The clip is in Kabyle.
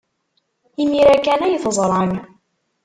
Imir-a kan ay t-ẓran.